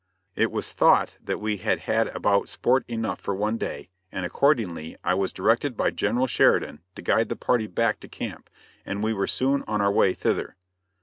It was thought that we had had about sport enough for one day, and accordingly I was directed by General Sheridan to guide the party back to camp, and we were soon on our way thither.